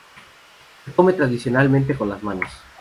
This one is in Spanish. Se come tradicionalmente con las manos.